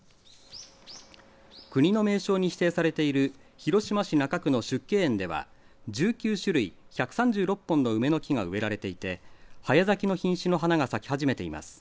国の名勝に指定されている広島市中区の縮景園では１９種類１３６本の梅の木が植えられていて早咲きの品種の花が咲き始めています。